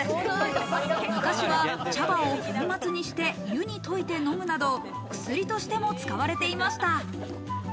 昔は茶葉を粉末にして湯に溶いて飲むなど薬としても使われていました。